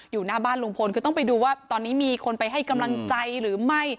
อยู่หน้าบ้านลุงพลคือต้องไปดูว่าตอนนี้มีคนไปให้กำลังใจหรือไม่